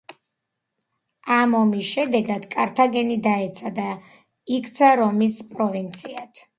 ამ ომის შედეგად კართაგენი დაეცა და იქცა რომის პროვინციად.